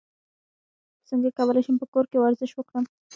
څنګه کولی شم په کور کې ورزش وکړم